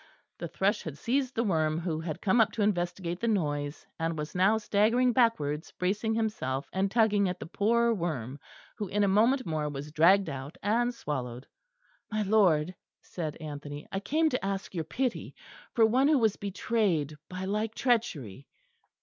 The thrush had seized the worm who had come up to investigate the noise, and was now staggering backwards, bracing himself, and tugging at the poor worm, who, in a moment more was dragged out and swallowed. "My lord," said Anthony, "I came to ask your pity for one who was betrayed by like treachery."